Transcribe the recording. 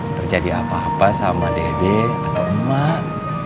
terjadi apa apa sama dede atau emak